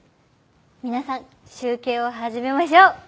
皆さん集計を始めましょう。